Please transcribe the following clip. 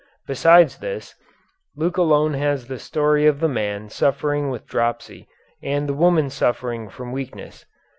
Besides this, Luke alone has the story of the man suffering with dropsy and the woman suffering from weakness.